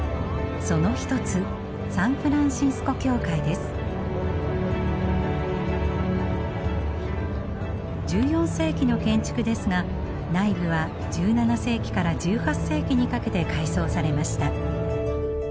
その一つ１４世紀の建築ですが内部は１７世紀から１８世紀にかけて改装されました。